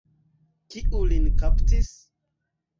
Kiu lin kaptis?